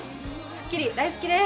『スッキリ』大好きです！